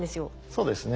そうですね。